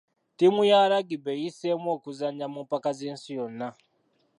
Ttiimu ya lagibe eyiseemu okuzannya mu mpaka z'ensi yonna.